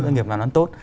doanh nghiệp làm nó tốt